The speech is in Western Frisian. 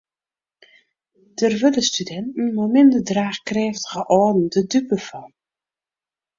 Dêr wurde studinten mei minder draachkrêftige âlden de dupe fan.